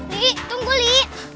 li tunggu li